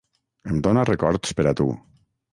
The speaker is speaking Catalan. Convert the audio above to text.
Em dóna records per a tu.